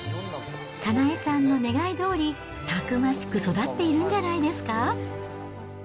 かなえさんの願いどおり、たくましく育っているんじゃないですか。